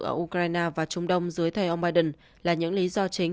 ở ukraine và trung đông dưới thay ông biden là những lý do chính